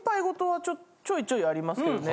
ちょいちょいありますけどね。